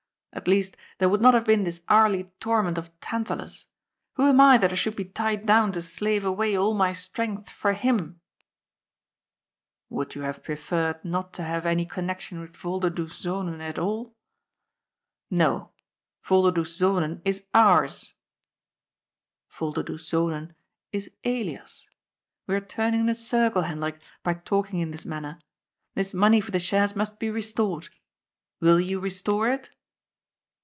At least, there would not have been this hourly torment of Tantalus ! Who am I that I should be tied down to slave away all my strength for him ?"" Would you have preferred not to have any connection with Volderdoes Zonen at all ?"" No. Volderdoes Zonen is ours." " Volderdoes Zonen is Elias. We are turning in a circle, Hendrik, by talking in this manner. This money for the shares must be restored. Will you restore it?